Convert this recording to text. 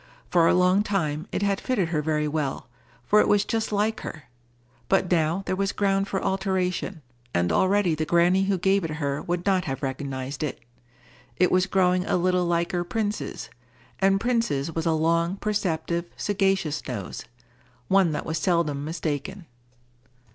For a long time, it had fitted her very well, for it was just like her; but now there was ground for alteration, and already the granny who gave it her would not have recognized it. It was growing a little liker Prince's; and Prince's was a long, perceptive, sagacious nose,—one that was seldom mistaken.